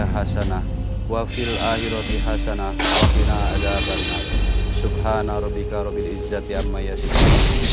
hasanah wafil akhirati hasanah kena ada banget subhanarobika robbil izzati amma yasud